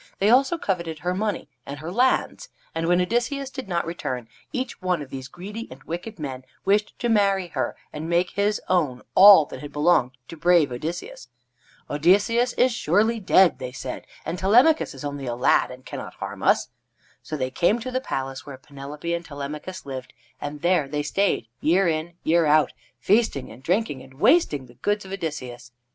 They also coveted her money and her lands, and when Odysseus did not return, each one of these greedy and wicked men wished to marry her and make his own all that had belonged to brave Odysseus. "Odysseus is surely dead," they said, "and Telemachus is only a lad and cannot harm us." So they came to the palace where Penelope and Telemachus lived, and there they stayed, year in, year out, feasting and drinking and wasting the goods of Odysseus.